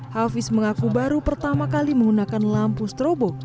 hafiz mengaku baru pertama kali menggunakan lampu strobo